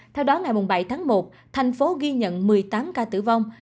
theo đó ngày bảy tháng bảy tp hcm đã đặt bản đồ cho các nhà khoa học